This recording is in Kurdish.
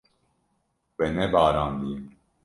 We nebarandiye.